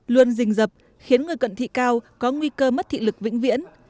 luôn rình dập khiến người cận thị cao có nguy cơ mất thị lực vĩnh viễn